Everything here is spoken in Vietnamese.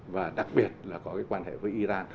và đặc biệt là có cái quan hệ với iran